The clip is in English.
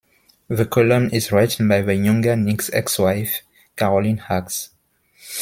The column is written by the younger Nick's ex-wife, Carolyn Hax.